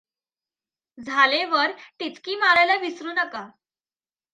झाले वर टिचकी मारायला विसरू नका.